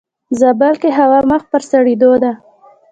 زابل کې هوا مخ پر سړيدو ده.